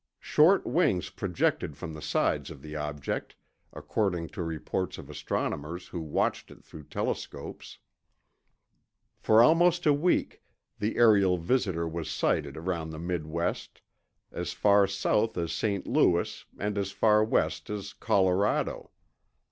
Short wings projected from the sides of the object, according to reports of astronomers who watched it through telescopes. For almost a week, the aerial visitor was sighted around the Midwest, as far south as St. Louis and as far west as Colorado.